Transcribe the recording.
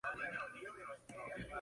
Chron., n.s.